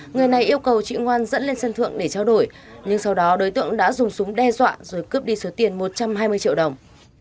người này yêu cầu chị ngoan dẫn lên sân thượng để trao đổi nhưng sau đó đối tượng đã dùng súng đe dọa rồi cướp đi số tiền một trăm hai mươi triệu đồng